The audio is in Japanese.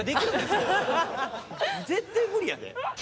絶対無理やで。